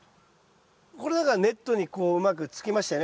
これなんかはネットにこううまくつきましたよね。